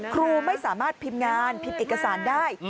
ครูไม่สามารถพิมพ์งานพิมพ์เอกสารได้